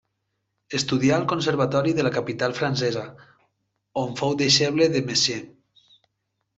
Estudià al conservatori de la capital francesa, on fou deixeble de Messiaen.